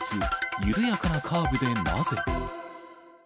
緩やかなカーブでなぜ？